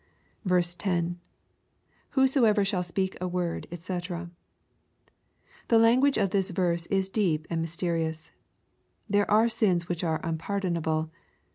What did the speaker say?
10. —[ Whosoever shaM speak a wordj dx.] The language of this verse is deep and mysterious. There are sins which are unpardonable.